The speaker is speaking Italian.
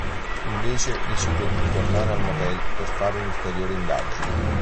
Invece decide di ritornare al motel per fare un'ulteriore indagine.